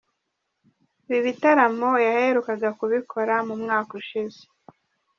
Ibi bitaramo yaherukaga kubikora mu mwaka ushize.